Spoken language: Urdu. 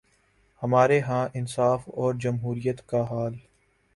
ہمارے ہاں انصاف اور جمہوریت کا حال۔